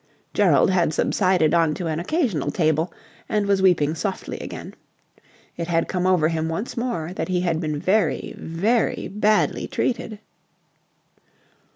Gerald had subsided on to an occasional table, and was weeping softly again. It had come over him once more that he had been very, very badly treated.